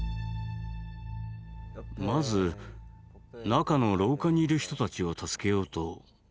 まず中の廊下にいる人たちを助けようと思いました。